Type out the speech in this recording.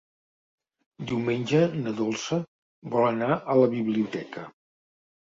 Diumenge na Dolça vol anar a la biblioteca.